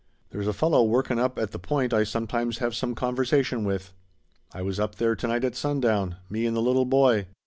There's a fellow workin' up here at the point I sometimes have some conversation with. I was up there to night at sundown me and the little boy.